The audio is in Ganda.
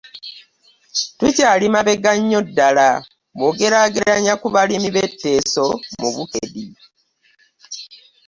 Tukyali mabega nnyo ddala bw'ogeraageranya ku balimi b'e Teso mu Bukedi.